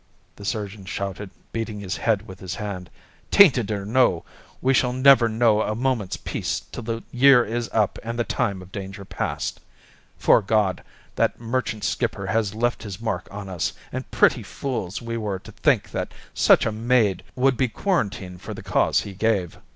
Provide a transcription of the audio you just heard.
the surgeon shouted, beating his head with his hand. "Tainted or no, we shall never know a moment's peace till the year is up and the time of danger past. 'Fore God, that merchant skipper has left his mark on us, and pretty fools we were to think that such a maid would be quarantined for the cause he gave.